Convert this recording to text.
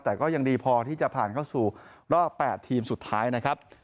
แต่ก็ยังดีพอที่จะผ่านเข้าสู่รอบ๘ทีมสุดท้ายนะครับ